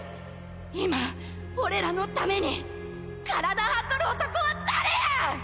今俺らの為に体張っとる男は誰や！